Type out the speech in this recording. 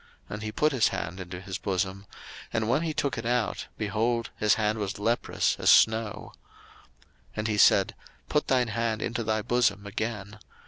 And he put his hand into his bosom: and when he took it out, behold, his hand was leprous as snow. 02:004:007 And he said, Put thine hand into thy bosom again.